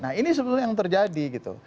nah ini sebenarnya yang terjadi gitu